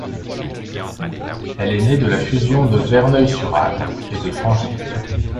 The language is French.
Elle est née de la fusion de Verneuil-sur-Avre et de Francheville.